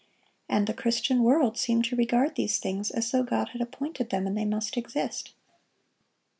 And the Christian world seem to regard these things as though God had appointed them, and they must exist.